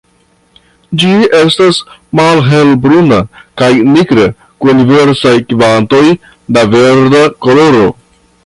Ĝi estas malhelbruna kaj nigra kun diversaj kvantoj da verda koloro.